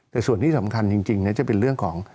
แต่ส่วนที่สำคัญจริงจะเป็นเรื่องของ